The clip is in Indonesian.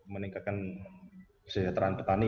meningkatkan kesejahteraan petani